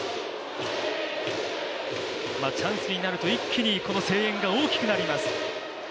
チャンスになると一気に声援が大きくなります。